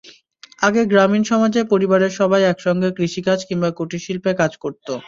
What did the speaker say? আগে গ্রামীণ সমাজে পরিবারের সবাই একসঙ্গে কৃষিকাজ কিংবা কুটিরশিল্পে কাজ করত।